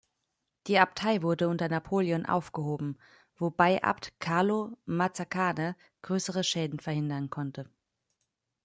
Die Abtei wurde unter Napoleon aufgehoben, wobei Abt "Carlo Mazzacane" größere Schäden verhindern konnte.